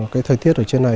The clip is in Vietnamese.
cái thời tiết ở trên này